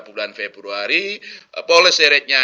bulan februari policy rate nya